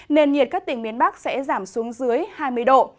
nền nhiệt các tỉnh miền bắc sẽ giảm xuống dưới hai mươi độ